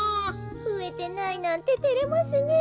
ふえてないなんててれますねえ。